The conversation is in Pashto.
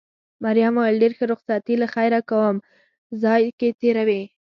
مريم وویل: ډېر ښه، رخصتي له خیره کوم ځای کې تېروې؟